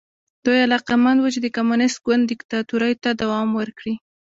دوی علاقمند وو چې د کمونېست ګوند دیکتاتورۍ ته دوام ورکړي.